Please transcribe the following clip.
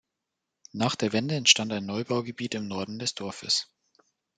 Nach der Wende entstand ein Neubaugebiet im Norden des Dorfes.